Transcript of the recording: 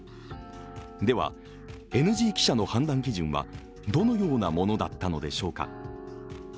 では、ＮＧ記者の判断基準はどのようなものだったのでしょうか。